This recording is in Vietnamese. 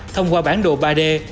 thông qua bản đồ ba d